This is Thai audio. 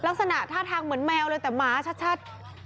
ลักษณะท่าทางเหมือนแมวเลยแต่หมาชัด